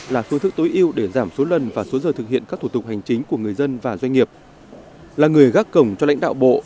nếu giờ thực hiện các thủ tục hành chính của người dân và doanh nghiệp là người gác cổng cho lãnh đạo bộ